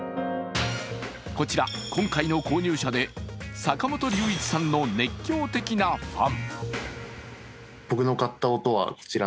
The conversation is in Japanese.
こちら、今回の購入者で坂本龍一さんの熱狂的なファン。